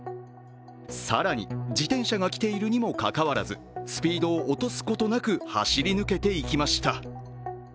更に自転車が来ているにもかかわらずスピードを落とすことなく走り抜けていきました。